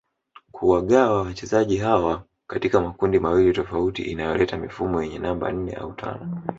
kuwagawa wachezaji hawa katika makundi mawili tofauti inayoleta mifumo yenye namba nne au tano